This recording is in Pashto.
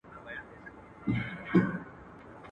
زما وطن هم لکه غښتلی چنار.